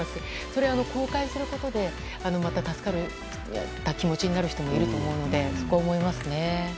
それを公開することで助かった気持ちになる人もいると思うのでそこを思いますね。